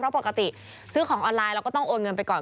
เพราะปกติซื้อของออนไลน์เราก็ต้องโอนเงินไปก่อน